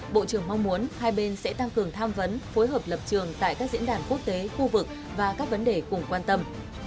bộ trưởng mong muốn hai bên sẽ tăng cường tham vấn phối hợp lập trường tại các diễn đàn quốc tế khu vực và các vấn đề cùng quan tâm